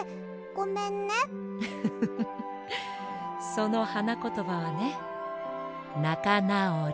そのはなことばはね「なかなおり」。